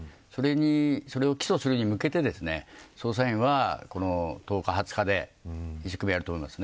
それを起訴するに向けて捜査員は１０日、２０日でしっかりやると思いますね。